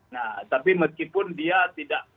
nah tapi meskipun dia tidak